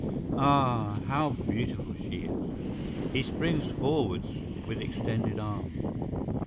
Ah, how beautiful she is! He springs forwards with extended arms.